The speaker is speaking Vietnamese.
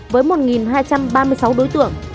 với một hai trăm ba mươi sáu đối tượng